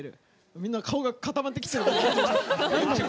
みんな顔が固まってきてるけど。